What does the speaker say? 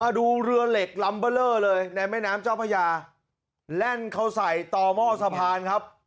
ดูเรือเหล็กลัมเบอร์เลอร์เลยในแม่น้ำเจ้าพญาแล่นเข้าใส่ต่อหม้อสะพานครับ